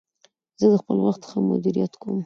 زه د خپل وخت ښه مدیریت کوم.